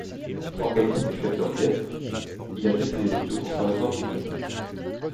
Organiste et chef d'orchestre, il a fait ses études au Conservatoire de Milan.